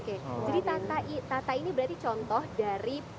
oke jadi tata ini berarti contoh dari